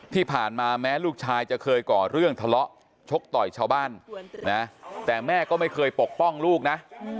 ที่ผ่านมาแม้ลูกชายจะเคยก่อเรื่องทะเลาะชกต่อยชาวบ้านนะแต่แม่ก็ไม่เคยปกป้องลูกนะ